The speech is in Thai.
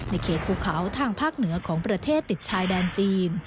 เขตภูเขาทางภาคเหนือของประเทศติดชายแดนจีน